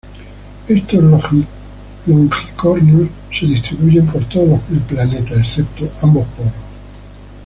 Estos longicornios se distribuyen por todo el planeta, excepto ambos polos.